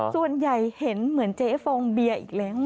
ส่วนใหญ่เห็นเหมือนเจ๊ฟองเบียร์อีกแล้ว